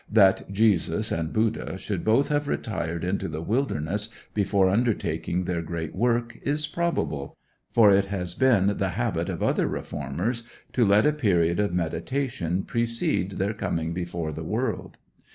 That Jesus and Buddha should both have retired into the wilderness before undertaking their great work is probable, for it has been the habit of other reformers to let a period of meditation precede their coming before the world.